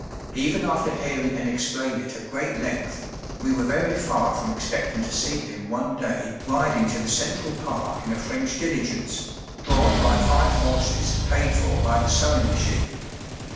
Even after hearing him explain it at great length, we were very far from expecting to see him one day riding to the Central Park in a French diligence, drawn by five horses paid for by the sewing machine.